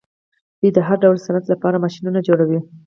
دوی د هر ډول صنعت لپاره ماشینونه جوړوي.